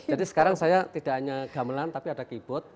jadi sekarang saya tidak hanya gamelan tapi ada keyboard